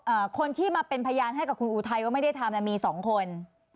คนที่มาเป็นพยานให้กับคุณอุทัยว่าไม่ได้ทำอ่ะมีสองคน